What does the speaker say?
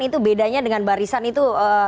itu bedanya dengan barisan itu